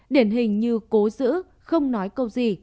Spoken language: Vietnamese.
điển hình như cố giữ không nói câu gì